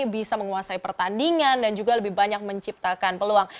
bisa menguasai pertandingan dan juga lebih banyak menciptakan peluang